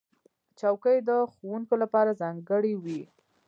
چوکۍ د ښوونکو لپاره ځانګړې وي.